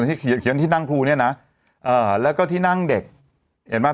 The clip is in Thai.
ที่เขียนที่นั่งครูเนี่ยนะเอ่อแล้วก็ที่นั่งเด็กเห็นไหม